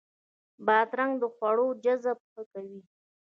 بادرنګ د خوړو جذب ښه کوي.